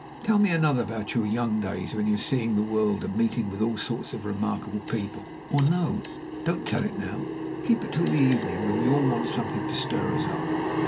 Tell me another about your young days, when you were seeing the world, and meeting with all sorts of remarkable people. Or, no don't tell it now keep it till the evening, when we all want something to stir us up.